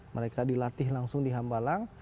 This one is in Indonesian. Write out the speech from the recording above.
mereka dilatih langsung di hambalang